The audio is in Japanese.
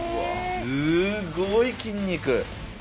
すーごい筋肉。